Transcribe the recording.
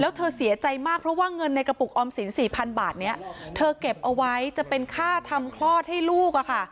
แล้วเธอเสียใจมากเพราะว่าเงินในกระปุกออมสิน๔๐๐บาทนี้เธอเก็บเอาไว้จะเป็นค่าทำคลอดให้ลูก